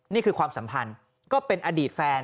ความสัมพันธ์ก็เป็นอดีตแฟน